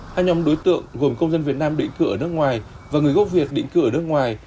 hai nhóm đối tượng gồm công dân việt nam định cư ở nước ngoài và người gốc việt định cư ở nước ngoài